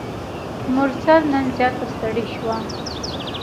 مرسل نن زیاته ستړي شوه.